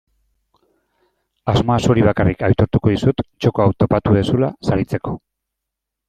Asmoa zuri bakarrik aitortuko dizut txoko hau topatu duzula saritzeko.